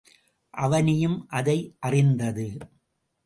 அவனியும் அதை அறிந்தது.